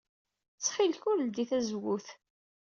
Ttxil-k! Ur leddey tazewwut.